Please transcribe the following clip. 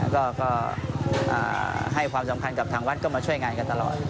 ก็ให้ความสำคัญกับทางวัดก็มาช่วยงานกันตลอด